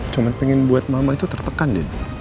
cuman pengen buat mama itu tertekan din